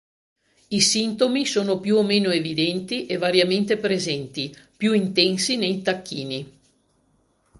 I sintomi sono più o meno evidenti e variamente presenti, più intensi nei tacchini.